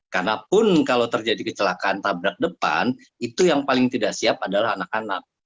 karena pun kalau terjadi kecelakaan tabrak depan itu yang paling tidak siap adalah anak anak